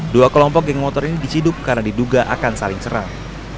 dua kelompok geng motor ini diciduk karena diduga akan saling serang